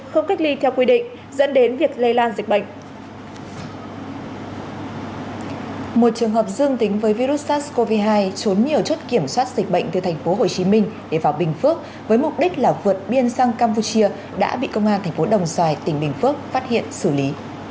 học dương tính với virus sars cov hai trốn nhiều chốt kiểm soát dịch bệnh từ thành phố hồ chí minh để vào bình phước với mục đích là vượt biên sang campuchia đã bị công an thành phố đồng giài tỉnh bình phước phát hiện xử lý